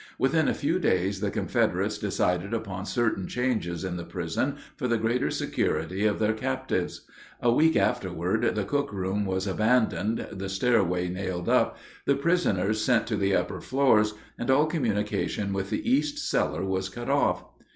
Within a few days the Confederates decided upon certain changes in the prison for the greater security of their captives. A week afterward the cook room was abandoned, the stairway nailed up, the prisoners sent to the upper floors, and all communication with the east cellar was cut off.